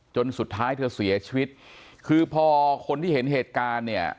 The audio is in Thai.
จนสุดท้ายเธอเสียชีวิตคือพอคนที่เห็นเหตุการณ์เนี่ย